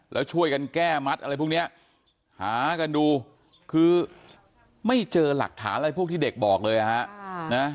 แล้วช่วยกันแก้มัดอะไรพวกนี้หากันดูคือไม่เจอหลักฐานอะไรพวกที่เด็กบอกเลยนะฮะ